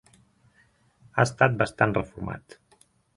Ha estat bastant reformat.